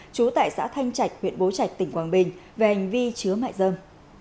chú tại xã thanh trạch huyện bố trạch tỉnh quảng bình về hành vi chứa mại dân